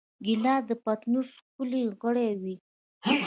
ګیلاس د پتنوس ښکلی غړی وي.